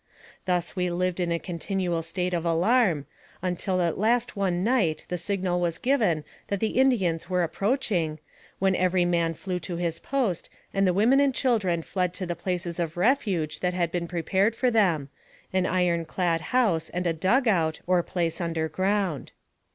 Thus we lived in a continual state of alarm, until at last one night the signal was given that the Indians were approaching, when every man flew to his post, and the women and children fled to the places of refuge that had been prepared for them, an iron clad house and a " dug out," or place under ground.